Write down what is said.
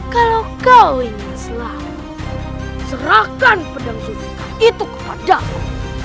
kalau kau ingin selalu serahkan pedang zulika itu kepada aku